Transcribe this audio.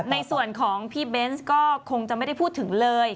ในส่วนของพี่เบนส์ก็คงจะไม่ได้พูดถึงเลย